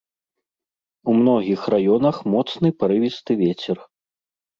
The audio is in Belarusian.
У многіх раёнах моцны парывісты вецер.